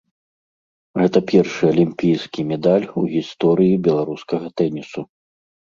Гэта першы алімпійскі медаль у гісторыі беларускага тэнісу.